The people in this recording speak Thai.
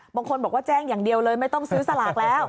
บางคนบอกว่าแจ้งอย่างเดียวเลยไม่ต้องซื้อสลากแล้ว